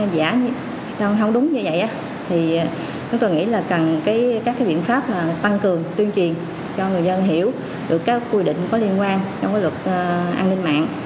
nó không đúng như vậy thì chúng tôi nghĩ là cần các biện pháp tăng cường tuyên truyền cho người dân hiểu được các quy định có liên quan trong cái luật an ninh mạng